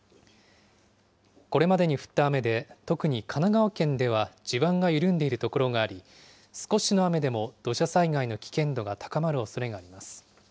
これまでに降った雨で、特に神奈川県では地盤が緩んでいる所があり、少しの雨でも土砂災害の危険度が高まるおそれがあります。